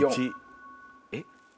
えっ？